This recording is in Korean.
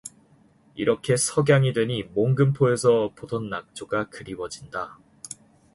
이렇게 석양이 되니 몽금포에서 보던 낙조가 그리워진다.